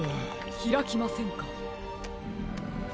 ひらきませんか。